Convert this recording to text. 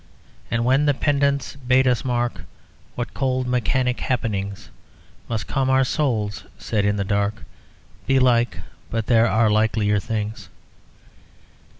And when the pedants bade us mark What cold mechanic happenings Must come; our souls said in the dark, "Belike; but there are likelier things."